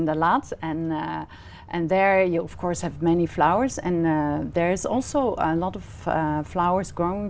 đà lạt house farm là một trong những công ty